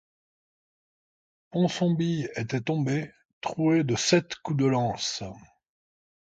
Ponsonby était tombé, troué de sept coups de lance.